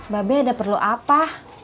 babe ada perlu apa